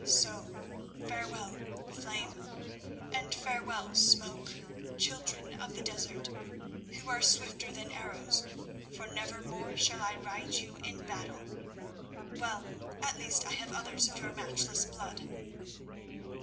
So farewell, Flame, and farewell, Smoke, children of the desert, who are swifter than arrows, for never more shall I ride you in battle. Well, at least I have others of your matchless blood."